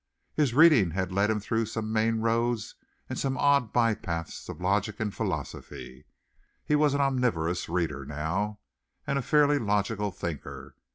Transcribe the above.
His reading had led him through some main roads and some odd by paths of logic and philosophy. He was an omnivorous reader now and a fairly logical thinker.